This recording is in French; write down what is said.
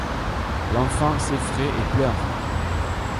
L’enfant s’effraie et pleure.